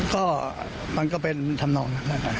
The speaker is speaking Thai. ข้อมันก็เป็นการทำนอง